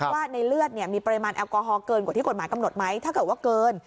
ว่าในเลือดมีปริมาณแอลกอฮอลเกินกว่าที่กฎหมายกำหนดไหมถ้าเกิดว่าเกิน